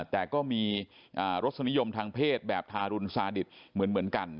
แต่ก็มีรสนิยมทางเพศแบบทารุณสาดิตเหมือนกัน